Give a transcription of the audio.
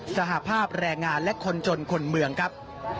สหภาพแรงงานและคนจนคนเมืองครับ